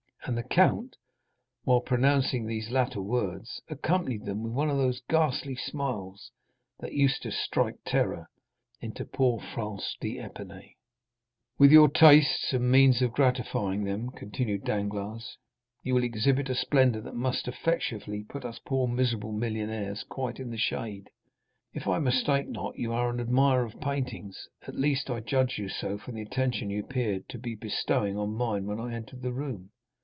And the count, while pronouncing these latter words, accompanied them with one of those ghastly smiles that used to strike terror into poor Franz d'Épinay. "With your tastes, and means of gratifying them," continued Danglars, "you will exhibit a splendor that must effectually put us poor miserable millionaires quite in the shade. If I mistake not you are an admirer of paintings, at least I judged so from the attention you appeared to be bestowing on mine when I entered the room.